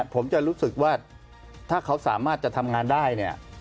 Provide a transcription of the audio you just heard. ผมจะรู้สึกว่าถ้าเขาสามารถทำงานได้